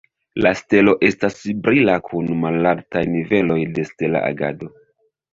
La stelo estas brila kun malaltaj niveloj de stela agado.